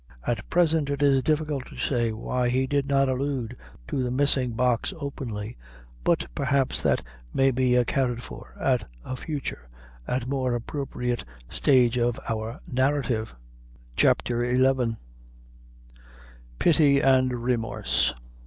At present it is difficult to say why he did not allude to the missing Box openly, but perhaps that may be accounted for at a future and more appropriate stage of our narrative. CHAPTER XI. Pity and Remorse.